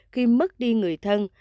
khi mất đi người thân